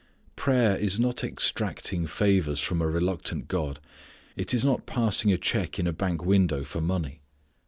Prayer is not extracting favours from a reluctant God. It is not passing a check in a bank window for money.